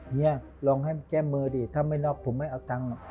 เหนียร์ลองให้แก้มือดิถ้าไม่นอกผมไม่เอาตังค์